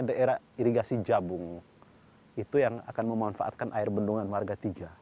daerah irigasi jabung itu yang akan memanfaatkan air bendungan marga tiga